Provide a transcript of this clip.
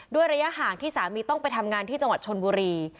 ระยะห่างที่สามีต้องไปทำงานที่จังหวัดชนบุรี